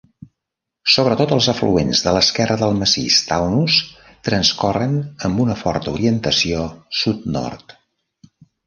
Sobretot els afluents de l'esquerra del massís Taunus transcorren amb una forta orientació sud-nord.